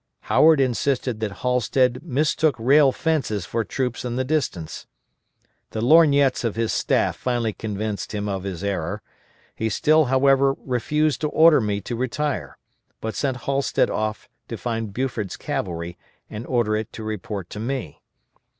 Howard insisted that Halstead mistook rail fences for troops in the distance. The lorgnettes of his staff finally convinced him of his error; he still, however, refused to order me to retire, but sent Halsted off to find Buford's cavalry, and order it to report to me.